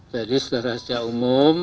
jadi secara sejak umum